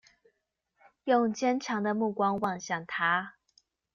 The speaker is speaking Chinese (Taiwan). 用堅強的目光望向他